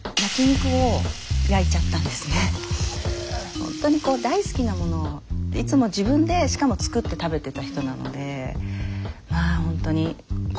ほんとにこう大好きなものをいつも自分でしかも作って食べてた人なのでまあ炎上ですよ